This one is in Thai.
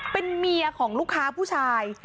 เป็นเมียของลูกค้าผู้ชาย